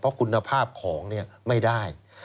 เพราะคุณภาพของไม่ได้